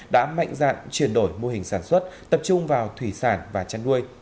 đã mạnh dạn chuyển đổi mô hình sản xuất tập trung vào thủy sản và chăn nuôi